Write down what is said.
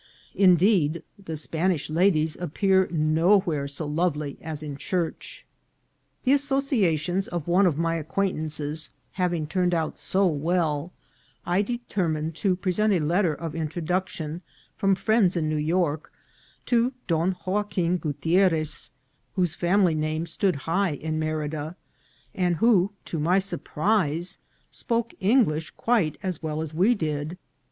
Indeed, the Spanish la dies appear nowhere so lovely as in church. The associations of one of my acquaintances having turned out so well, I determined to present a letter of introduction from friends in New York to Don Joaquim Gutierrez, whose family name stood high in Merida, and who, to my surprise, spoke English quite as well as we did.